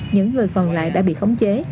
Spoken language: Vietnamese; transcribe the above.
những người còn lại đã bị khống chế